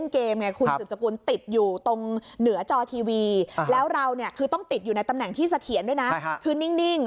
คือต้องติดอยู่ในตำแหน่งที่เสถียรด้วยนะคือนิ่ง